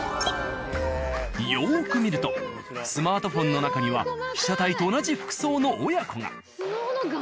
よく見るとスマートフォンの中には被写体と同じ服装の親子が。